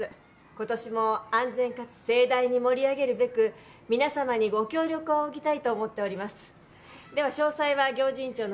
今年も安全かつ盛大に盛り上げるべく皆様にご協力を仰ぎたいと思っておりますでは詳細は行事委員長の